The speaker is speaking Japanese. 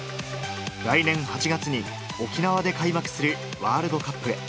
来年８月に沖縄で開幕するワールドカップ。